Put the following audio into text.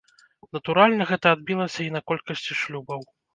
Натуральна, гэта адбілася і на колькасці шлюбаў.